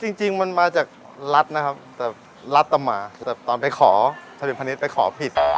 จริงจริงมันมาจากรัตนะครับแต่รัตมาแต่ตอนไปขอถ้าเป็นพะเน็ตไปขอผิด